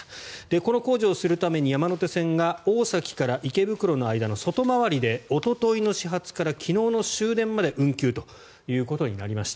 この工事をするために山手線が大崎から池袋の間の外回りでおとといの始発から昨日の終電まで運休ということになりました。